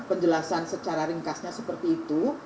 penjelasan secara ringkasnya seperti itu